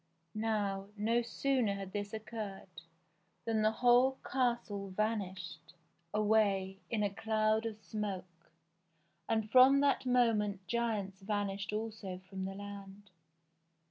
Now, no sooner had this occurred than the whole castle vanished I02 ENGLISH FAIRY TALES away in a cloud of smoke, and from that moment giants vanished also from the land.